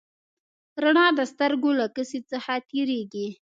رڼا د سترګو له کسي څخه تېرېږي.